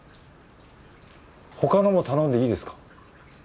他のも頼んでいいですか？